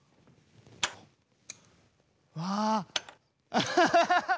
アッハハハ！